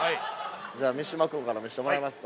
じゃあ、三島君から見せてもらいますか。